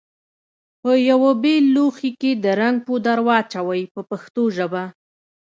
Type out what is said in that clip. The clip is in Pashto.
په یوه بېل لوښي کې د رنګ پوډر واچوئ په پښتو ژبه.